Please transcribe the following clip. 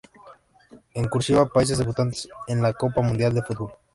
En "cursiva", países debutantes en la Copa Mundial de Fútbol.